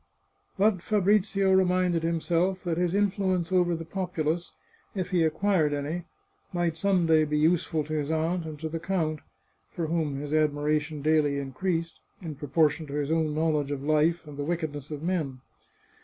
But Fabrizio reminded himself that his influence over the populace, if he acquired any, might some day be useful to his aunt and to the count, for whom his admiration daily in creased, in proportion to his own knowledge of life and the wickedness of men.